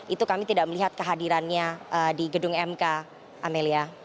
itu kami tidak melihat kehadirannya di gedung mk amelia